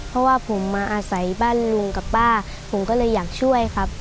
เพราะว่าผมมาอาศัยบ้านลุงกับป้าผมก็เลยอยากช่วยครับ